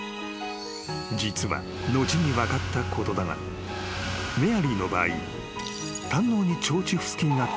［実は後に分かったことだがメアリーの場合］